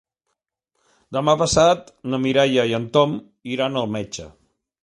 Demà passat na Mireia i en Tom iran al metge.